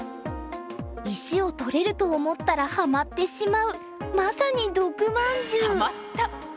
石を取れると思ったらハマってしまうまさに毒まんじゅう。